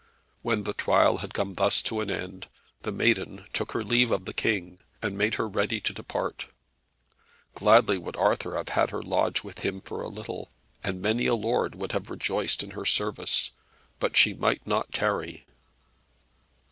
When the trial had come thus to an end the Maiden took her leave of the King, and made her ready to depart. Gladly would Arthur have had her lodge with him for a little, and many a lord would have rejoiced in her service, but she might not tarry.